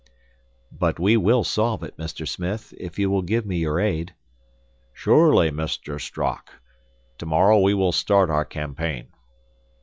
"But we will solve it, Mr. Smith, if you will give me your aid." "Surely, Mr. Strock; tomorrow we will start our campaign."